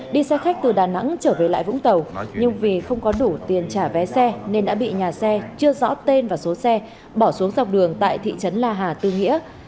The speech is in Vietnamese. đi xe khách từ đà nẵng trở về lại vũng tàu nhưng vì không có đủ tiền trả vé xe nên đã bị nhà xe chưa rõ tên và số xe bỏ xuống dọc đường tại thị trấn la hà tư nghĩa